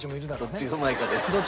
どっちがうまいかで？